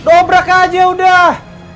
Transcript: dobrakan saja sudah